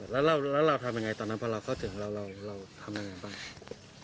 แล้วเราทำยังไงตอนนั้นพอเราเข้าถึงเราทำยังไงบ้าง